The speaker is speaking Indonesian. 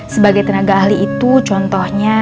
sebagai tenaga ahli itu contohnya